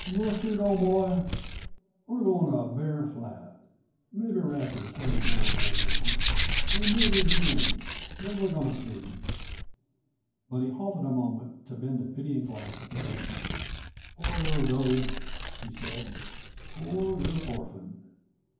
"Mustard, old boy, we're goin' to Bear Flat. Mebbe Radford's hangin' around there now. An' mebbe he ain't. But we're goin' to see." But he halted a moment to bend a pitying glance at the calf. "Poor little dogie," he said; "poor little orphan.